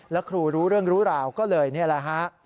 แล้วครูรู้เรื่องรู้ราวก็เลยนี่แหละฮะ